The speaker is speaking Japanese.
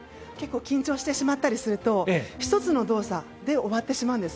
緊張してしまったりすると１つの動作で終わってしまうんです。